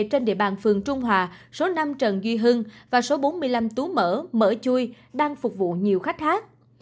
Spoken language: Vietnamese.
trên địa bàn phường trung hòa số năm trần duy hưng và số bốn mươi năm tú mở mở chui đang phục vụ nhiều khách khác